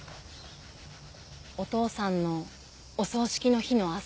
お父さんのお葬式の日の朝。